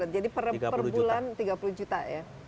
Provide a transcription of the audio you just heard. jadi per bulan tiga puluh juta ya